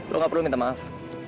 lo gak perlu minta maaf